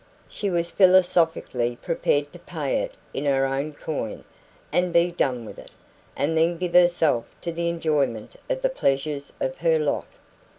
She was philosophically prepared to pay it in her own coin, and be done with it, and then give herself to the enjoyment of the pleasures of her lot.